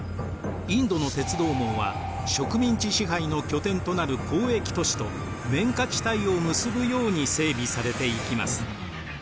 インドの鉄道網は植民地支配の拠点となる交易都市と綿花地帯を結ぶように整備されていきます。